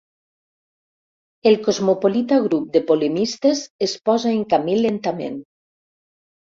El cosmopolita grup de polemistes es posa en camí lentament.